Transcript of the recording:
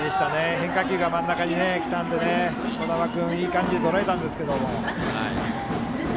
変化球が真ん中に来たので児玉君、いい感じでとらえたんですけれども。